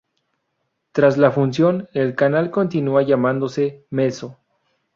Tras la fusión, el canal continúa llamándose Mezzo.